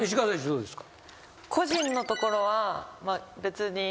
どうですか？